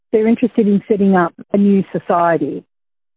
mereka ingin menetapkan masyarakat baru